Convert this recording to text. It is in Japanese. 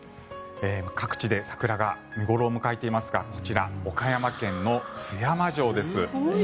各地で桜が見頃を迎えていますがこちら、岡山県の津山城です。